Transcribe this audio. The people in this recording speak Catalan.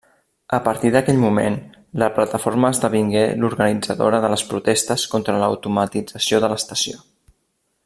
A partir d'aquell moment, la plataforma esdevingué l'organitzadora de les protestes contra l'automatització de l'estació.